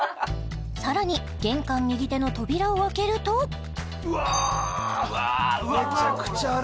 さらに玄関右手の扉を開けるとうわあ